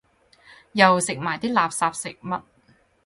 又食埋啲垃圾食物